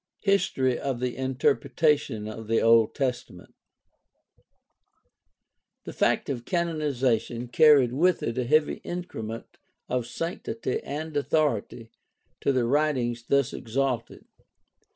HISTORY OF THE INTERPRETATION OF THE OLD TESTAMENT The fact of canonization carried with it a heavy increment of sanctity and authority to the writings thus exalted.